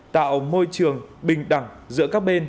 tạo môi trường bình đẳng giữa các bên